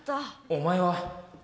お前は。